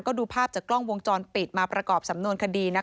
ก็ดูภาพจากกล้องวงจรปิดมาประกอบสำนวนคดี